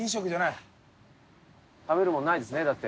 食べるものないですねだって。